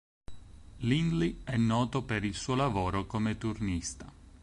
Lindley è noto per il suo lavoro come turnista.